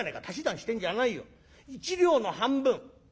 「足し算してんじゃないよ。１両の半分。